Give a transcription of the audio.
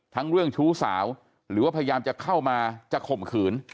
เรื่องชู้สาวหรือว่าพยายามจะเข้ามาจะข่มขืน